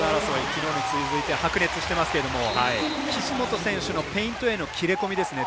きのうに続いて白熱していますが岸本選手のペイントへの切り込みですね。